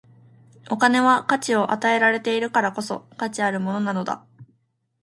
お金は価値を与えられているからこそ、価値あるものなのだ。